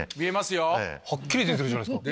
はっきり出てるじゃないですか。